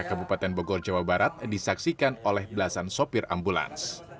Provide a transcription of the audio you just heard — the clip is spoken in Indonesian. kabupaten bogor jawa barat disaksikan oleh belasan sopir ambulans